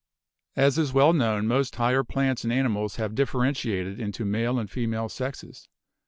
As is well known, most higher plants and animals have differentiated into male and female sexes.